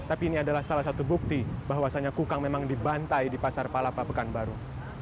ada satu bukti bahwasannya kukang memang dibantai di pasar palapa pekanbaru